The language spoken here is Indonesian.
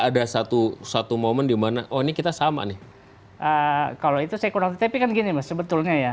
ada satu satu momen dimana oh ini kita sama nih kalau itu saya kurang tapi kan gini mas sebetulnya ya